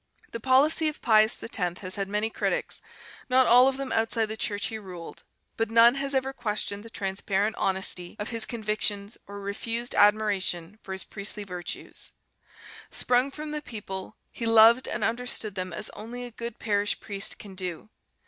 The policy of Pius X has had many critics, not all of them outside the Church he ruled, but none has ever questioned the transparent honesty of his convictions or refused admiration for his priestly virtues. Sprung from the people, he loved and understood them as only a good parish priest can do.